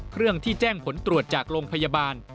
เครื่องที่แจ้งผลตรวจจากโรงพยาบาล